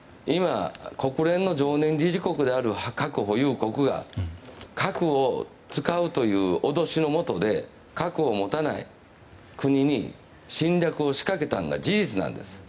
国連の常任理事国である核保有国が核を使うという脅しのもとで核を持たない国に侵略を仕掛けたのは事実です。